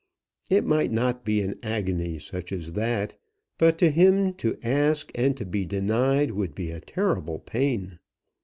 It might not be an agony such as that; but to him to ask and to be denied would be a terrible pain.